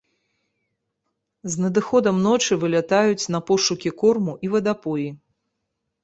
З надыходам ночы вылятаюць на пошукі корму і вадапоі.